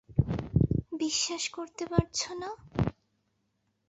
বিশ্বাস করতে পারছ না?